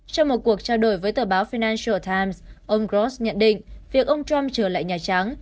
trong một cuộc trao đổi với tờ báo finantial times ông gross nhận định việc ông trump trở lại nhà trắng